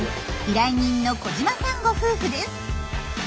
依頼人の小島さんご夫婦です。